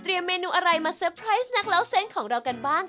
เมนูอะไรมาเซอร์ไพรส์นักเล่าเส้นของเรากันบ้าง